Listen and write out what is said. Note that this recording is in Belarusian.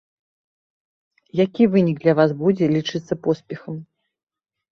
Які вынік для вас будзе лічыцца поспехам?